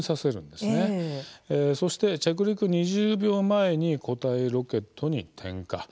そして、着陸２０秒前に固体ロケットに点火。